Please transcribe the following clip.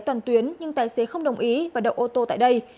toàn tuyến nhưng tài xế không đồng ý và đậu ô tô tại đây